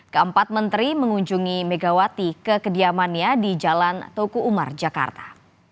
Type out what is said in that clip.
keempat menteri mengunjungi megawati ke kediamannya di jalan tuku umar jakarta